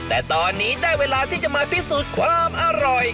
แต่ตอนนี้ได้เวลาที่จะมาพิสูจน์ความอร่อย